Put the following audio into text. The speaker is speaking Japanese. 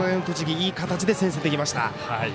いい形で先制できました。